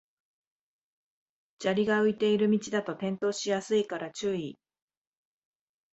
砂利が浮いてる道だと転倒しやすいから注意